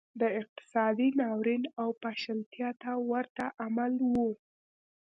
دا اقتصادي ناورین او پاشلتیا ته ورته عمل و